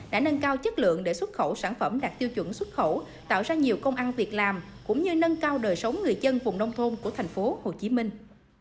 đã nâng cao chất lượng để xuất khẩu sản phẩm đạt tiêu chuẩn xuất khẩu tạo ra nhiều công ăn việc làm cũng như nâng cao đời sống người dân vùng nông thôn của thành phố hồ chí minh